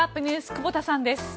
久保田さんです。